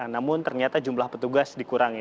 namun ternyata jumlah petugas dikurangi